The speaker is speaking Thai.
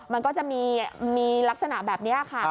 มันก็จะมีลักษณะแบบนี้ค่ะ